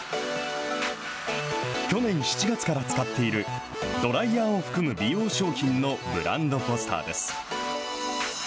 去年７月から使っている、ドライヤーを含む美容商品のブランドポスターです。